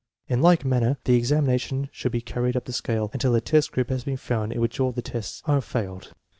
In like manner the examination should be carried up the scale, until a test group has been found in which all the tests are failed.